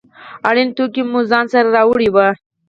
اړین توکي مو ځان سره راوړي وي.